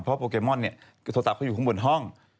เพราะโทรศัพท์เขาอยู่ข้างบนห้อง